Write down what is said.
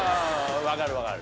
分かる分かる。